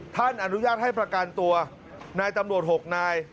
ท่านอนุญาตให้ประกันตัวนายตำรวจ๖นาย